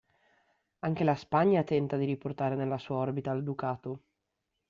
Anche la Spagna tenta di riportare nella sua orbita il Ducato.